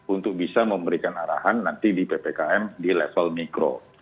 untuk bisa memberikan arahan nanti di ppkm di level mikro